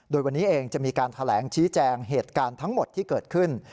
โดยวันนี้เองจะมีการแถลงชี้แจงเหตุการณ์ทั้งหมดที่เกิดขึ้น